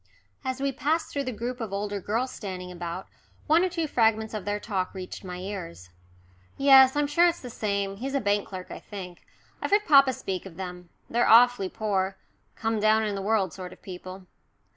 As we passed through the group of older girls standing about, one or two fragments of their talk reached my ears. "Yes I'm sure it's the same. He's a bank clerk, I think. I've heard papa speak of them. They're awfully poor come down in the world sort of people."